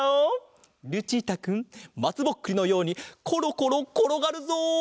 ルチータくんまつぼっくりのようにコロコロころがるぞ！